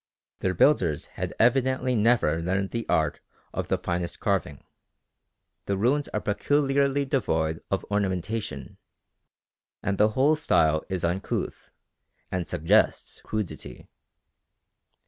Their builders had evidently never learnt the art of the finest carving. The ruins are peculiarly devoid of ornamentation, and the whole style is uncouth and suggests crudity.